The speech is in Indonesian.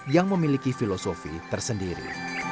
yang memiliki filosofi tersendiri